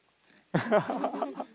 アハハハハ。